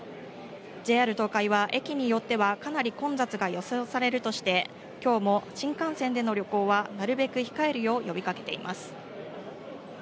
ＪＲ東海は駅によってはかなり混雑が予想されるとして、きょうも新幹線での旅行はなるべく控えるよう呼び掛けています。